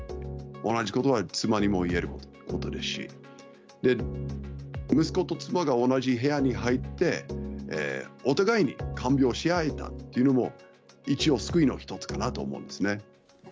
同じことは妻にもいえることですし、息子と妻が同じ部屋に入って、お互いに看病し合えたというのも、一応、救いの一つかなと思うんですね。